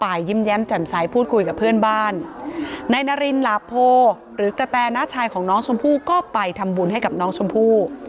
ยิ้มแย้มแจ่มใสพูดคุยกับเพื่อนบ้านนายนารินหลาโพหรือกระแตน้าชายของน้องชมพู่ก็ไปทำบุญให้กับน้องชมพู่